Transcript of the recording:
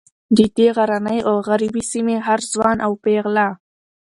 د دې غرنۍ او غریبې سیمې هر ځوان او پیغله